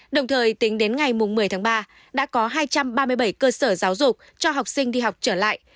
đồng thời tính đến ngày một mươi tháng ba đã có hai trăm ba mươi bảy cơ sở giáo dục cho học sinh đi học trở lại